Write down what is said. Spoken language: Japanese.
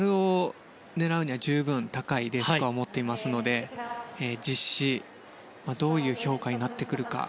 メダルを狙うには十分高いＤスコアを持っていますので実施、どういう評価になってくるか。